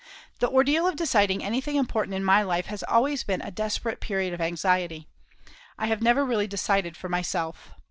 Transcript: The ordeal of deciding anything important in my life has always been a desperate period of anxiety. I never have really decided for myself.